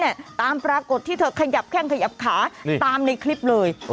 ก็เห็นเนี่ยตามปรากฏที่เธอขยับแค่งขยับขาตามในคลิปเลย